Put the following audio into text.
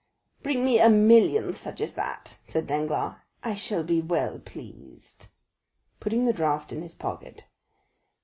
"Bring me a million such as that," said Danglars, "I shall be well pleased," putting the draft in his pocket.